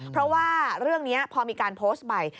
เพราะว่าเรื่องนี้พอมีการโพสต์ไป